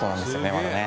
まだね